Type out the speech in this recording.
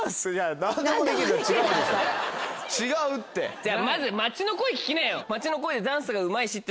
じゃあまず街の声聞きなよ。